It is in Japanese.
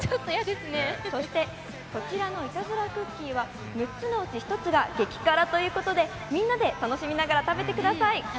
そして、こちらのイタズラクッキーは６つのうち１つが激辛ということでみんなで楽しみながら食べてください。